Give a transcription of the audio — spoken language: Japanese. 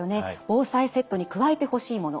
防災セットに加えてほしいもの